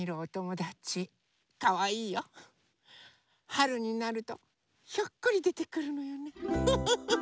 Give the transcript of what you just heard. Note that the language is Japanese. はるになるとひょっこりでてくるのよねフフフ。